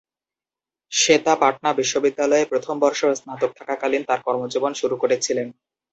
শ্বেতা পাটনা বিশ্ববিদ্যালয়ে প্রথম বর্ষ স্নাতক থাকাকালীন তার কর্মজীবন শুরু করেছিলেন।